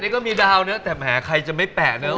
นี่ก็มีดาวเนอะแต่แหมใครจะไม่แปะเนอะ